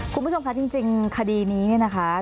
คุณผู้ชมค่ะจริงคดีนี้นะคะ